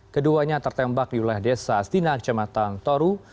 keduanya tertembak di wilayah desa astina kecamatan toru